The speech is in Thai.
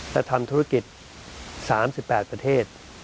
และทำธุรกิจ๓๘ประเทศ